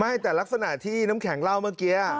ไม่แต่ลักษณะที่น้ำแข็งเล่าเมื่อกี้